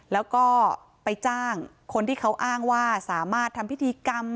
แล้วก็ไปจ้างคนที่เขาอ้างว่าสามารถทำพิธีกรรม